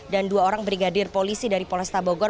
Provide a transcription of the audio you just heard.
dan dua orang brigadir polisi dari polresta bogor